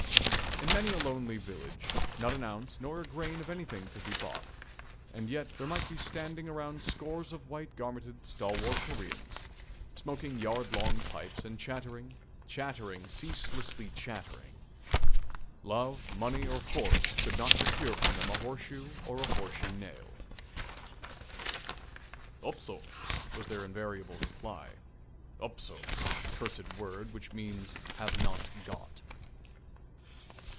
In many a lonely village not an ounce nor a grain of anything could be bought, and yet there might be standing around scores of white garmented, stalwart Koreans, smoking yard long pipes and chattering, chattering ceaselessly chattering. Love, money, or force could not procure from them a horseshoe or a horseshoe nail. "Upso," was their invariable reply. "Upso," cursed word, which means "Have not got."